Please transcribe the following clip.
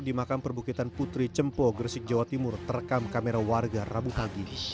di makam perbukitan putri cempo gresik jawa timur terekam kamera warga rabu pagi